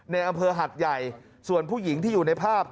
ในอำเภอหัดใหญ่ส่วนผู้หญิงที่อยู่ในภาพ